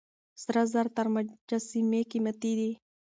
سره زر تر مجسمې قيمتي دي.